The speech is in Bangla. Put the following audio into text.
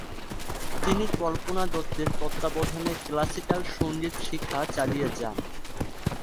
তিনি কল্পনা দত্তের তত্ত্বাবধানে ক্লাসিকাল সঙ্গীত শিখা চালিয়ে যান।